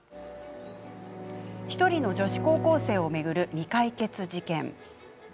１人の女子高校生を巡る未解決事件。